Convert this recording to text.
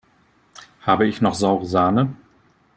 Habe ich noch saure Sahne?